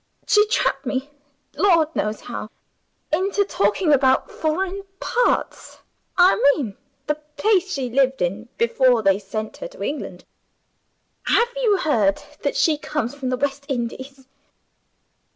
She trapped me (Lord knows how!) into talking about foreign parts; I mean the place she lived in before they sent her to England. Have you heard that she comes from the West Indies?"